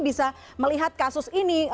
bisa melihat kasus ini